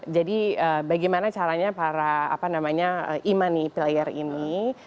jadi bagaimana caranya para apa namanya e money player ini